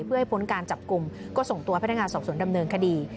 เพื่อให้พ้นการจับกลุ่มก็ส่งตัวพนักงานสอบสวนดำเนินคดี